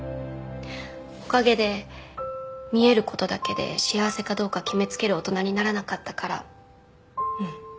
おかげで見えることだけで幸せかどうか決め付ける大人にならなかったからうん。